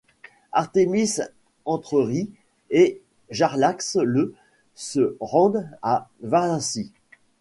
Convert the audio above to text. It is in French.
Artemis Entreri et Jarlaxle se rendent en Vaasie.